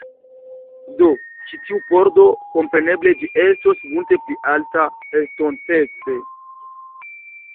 Do, ĉi tiu pordo, kompreneble, ĝi estos multe pli alta, estontece